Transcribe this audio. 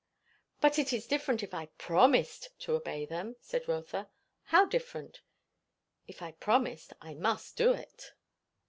"But it is different if I promised to obey them," said Rotha. "How different?" "If I promised, I must do it."